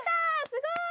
すごーい！